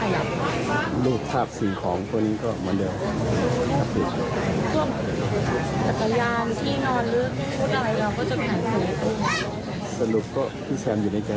อยุ่ความคิดเข้าไปแล้วก็จะเกิดไหล